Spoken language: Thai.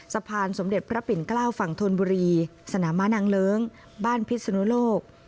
สะพานสมเด็จพระปิ่นเกล้าฝั่งธนบุรีสนามม้านางเลิ้งบ้านพิศนุโลก